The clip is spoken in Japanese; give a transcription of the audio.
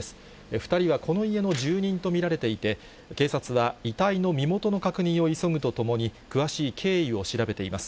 ２人はこの家の住人と見られていて、警察は遺体の身元の確認を急ぐとともに、詳しい経緯を調べています。